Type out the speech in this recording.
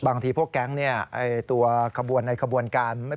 บางทีพวกแก๊งตัวกระบวนในกระบวนการ